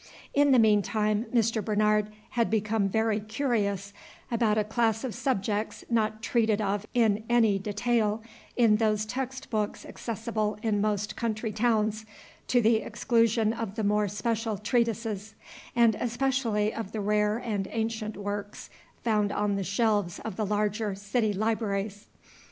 In the mean time Mr. Bernard had become very curious about a class of subjects not treated of in any detail in those text books accessible in most country towns, to the exclusion of the more special treatises, and especially of the rare and ancient works found on the shelves of the larger city libraries.